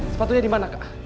sepatunya di mana kak